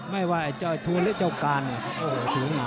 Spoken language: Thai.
ไม่ว่าไอ้ทูลไอ้เจ้าการเนี่ย